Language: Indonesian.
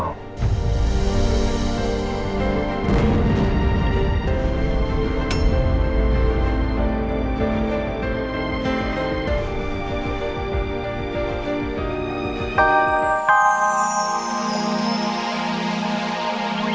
belum lagi sekulah lagi